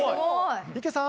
池さん。